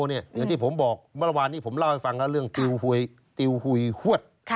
อย่างที่ผมบอกเมื่อวานนี้ผมเล่าให้ฟังเรื่องติวติวหุยฮวด